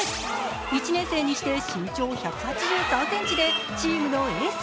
１年生にして身長１８３ｃｍでチームのエース。